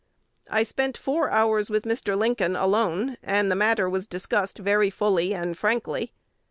I spent four hours with Mr. Lincoln alone; and the matter was discussed very fully and frankly.